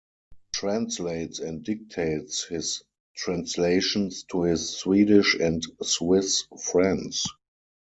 Translates and dictates his translations to his Swedish and Swiss friends.